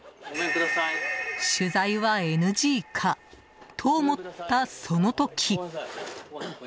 取材はＮＧかと思った、その時。